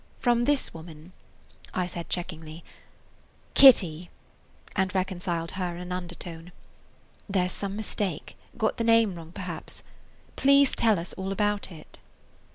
From this woman–I said checkingly: "Kitty!" and reconciled her in an undertone. "There 's some mistake. Got the name wrong, perhaps. Please tell us all about it."